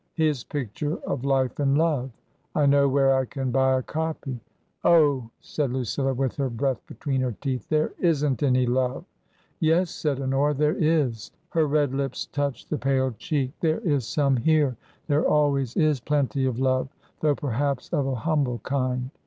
His picture of ' Life and Love.* I know where I can buy a copy." " Oh !" said Lucilla, with her breath between her teeth, " there isn't any love." " Yes," said Honora, " there is." Her red lips touched the pale cheek. " There is some here. There always is TRANSITION. 261 plenty of love, though perhaps of a humble kind.